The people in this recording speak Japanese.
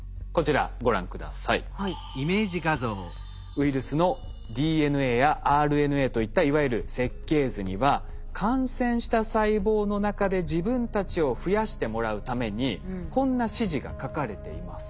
ウイルスのＤＮＡやＲＮＡといったいわゆる設計図には感染した細胞の中で自分たちを増やしてもらうためにこんな指示が書かれています。